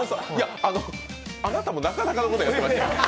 あなたもなかなかのことやってましたけど。